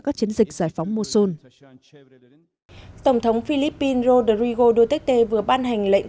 các chiến dịch giải phóng mossol tổng thống philippines rodrigo duterte vừa ban hành lệnh